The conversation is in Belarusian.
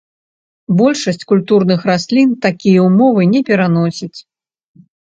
Большасць культурных раслін такія ўмовы не пераносіць.